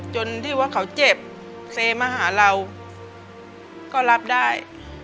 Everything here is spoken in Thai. จนที่ว่าเขาเจ็บเซมาหาเราก็รับได้